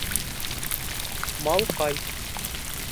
- Малҡай...